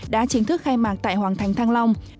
đã chính thức khai mạc tại hoàng thành thăng long